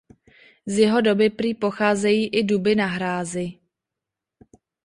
Z jeho doby prý pocházejí i duby na hrázi.